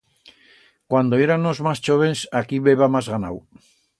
Cuando yéranos mas chóvens, aquí b'heba mas ganau.